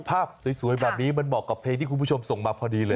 ภาพสวยแบบนี้มันเหมาะกับเพลงที่คุณผู้ชมส่งมาพอดีเลย